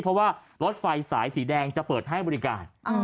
เพราะว่ารถไฟสายสีแดงจะเปิดให้บริการ